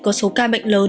có số ca bệnh lớn